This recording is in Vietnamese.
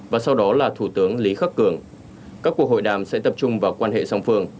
và sau đó là thủ tướng lý khắc cường các cuộc hội đàm sẽ tập trung vào quan hệ song phương